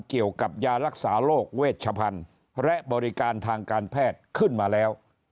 เกี่ยวกับยารักษาโรคเวชพันธุ์และบริการทางการแพทย์ขึ้นมาแล้ว